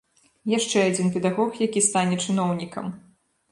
Яшчэ адзін педагог, які стане чыноўнікам.